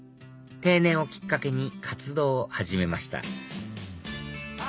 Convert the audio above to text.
定年をきっかけに活動を始めました